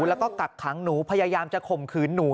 แล้วก็กักขังหนูพยายามจะข่มขืนหนู